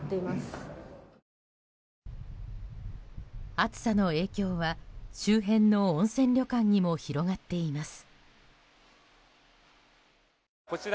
暑さの影響は周辺の温泉旅館にも広がっています。